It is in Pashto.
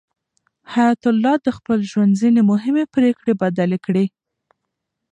حیات الله د خپل ژوند ځینې مهمې پرېکړې بدلې کړې.